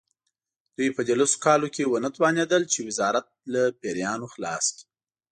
دوی په دې لسو کالو کې ونه توانېدل چې وزارت له پیریانو خلاص کړي.